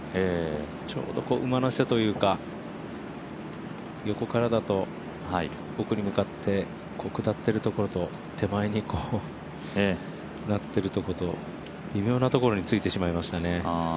ちょうど馬の背というか横からだと奥に向かって下ってるところと、手前になってるところと微妙なところについてしまいましたね。